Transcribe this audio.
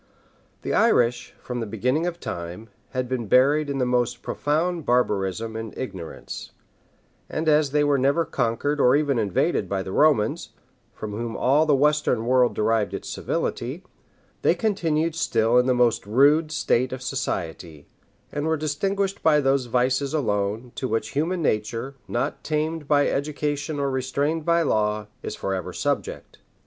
The Irish, from the beginning of time, had been buried in the most profound barbarism and ignorance; and as they were never conquered or even invaded by the Romans, from whom all the western world derived its civility, they continued still in the most rude state of society, and were distinguished by those vices alone, to which human nature, not tamed by education or restrained by laws, is forever subject.